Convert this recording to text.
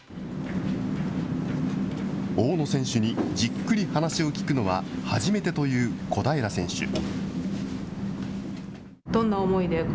大野選手にじっくり話を聞くのは初めてという小平選手。